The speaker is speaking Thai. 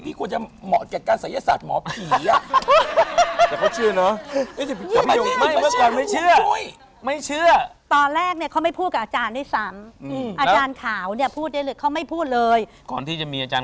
ควรจะเหมาะกับการศัยศาสตร์หมอผีอ่ะ